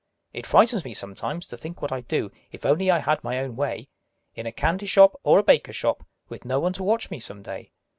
It frightens me sometimes, to think what I'd do, If only I had my own way In a candy shop or a baker shop, Witn no one to watch me, some day.